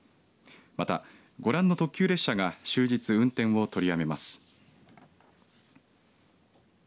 またご覧の特急列車が終日運転を取りやめます。